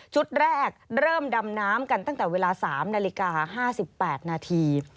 แรกเริ่มดำน้ำกันตั้งแต่เวลา๓นาฬิกา๕๘นาที